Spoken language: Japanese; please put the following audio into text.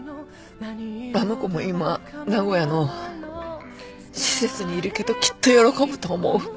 あの子も今名古屋の施設にいるけどきっと喜ぶと思う。